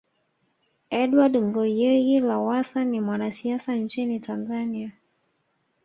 Edward Ngoyayi Lowassa ni mwanasiasa nchini Tanzania